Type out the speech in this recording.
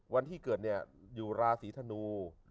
วันที่เกิดเนี่ยอยู่ราศีธนู